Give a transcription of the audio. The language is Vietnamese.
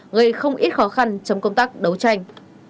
gây không ít khó khăn trong công tác đấu tranh